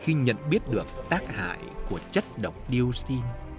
khi nhận biết được tác hại của chất động điều xin